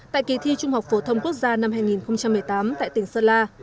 tại kỳ thi trung học phổ thông quốc gia năm hai nghìn một mươi tám tại tỉnh sơn la